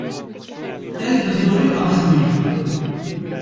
Ez bi zorê axivîm.